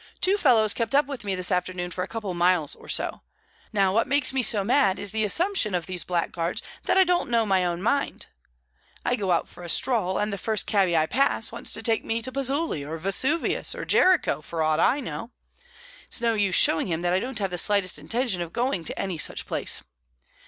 Two fellows kept up with me this afternoon for a couple of miles or so. Now, what makes me so mad is the assumption of these blackguards that I don't know my own mind. I go out for a stroll, and the first cabby I pass wants to take me to Pozzuoli or Vesuvius or Jericho, for aught I know. It's no use showing him that I haven't the slightest intention of going to any such place.